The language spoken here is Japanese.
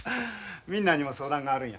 みんなにも相談があるんや。